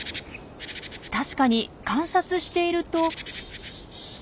確かに観察していると。